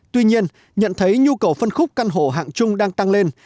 tuy nhiên nhận thấy nhu cầu phân khúc căn hộ hạng trung đang tăng lên